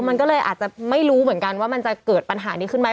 มันก็เลยอาจจะไม่รู้เหมือนกันว่ามันจะเกิดปัญหานี้ขึ้นไหม